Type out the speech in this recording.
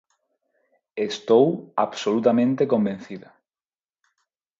Estou absolutamente convencida.